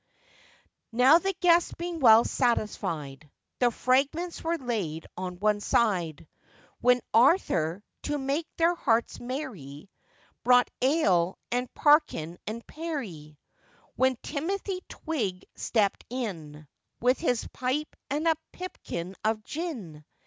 Now, the guests being well satisfied, The fragments were laid on one side, When Arthur, to make their hearts merry, Brought ale, and parkin, and perry; When Timothy Twig stept in, With his pipe, and a pipkin of gin.